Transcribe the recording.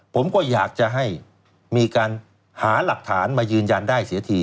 ผมก็อยากจะให้มีการหาหลักฐานมายืนยันได้เสียที